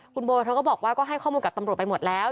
คุณโบเธอก็บอกว่าก็ให้ข้อมูลกับตำรวจไปหมดแล้ว